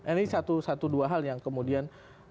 ini satu dua hal yang kemudian perlu dicatat